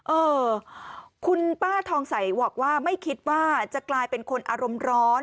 เออคุณป้าทองใสบอกว่าไม่คิดว่าจะกลายเป็นคนอารมณ์ร้อน